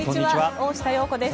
大下容子です。